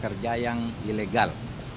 kerja yang ilegal